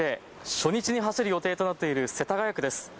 初日に走る予定となっている世田谷区です。